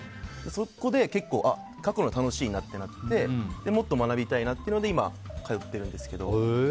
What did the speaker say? そこで結構描くの楽しいなってなってもっと学びたいなっていうので今、通ってるんですけど。